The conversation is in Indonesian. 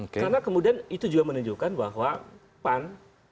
karena kemudian itu juga menunjukkan bahwa pan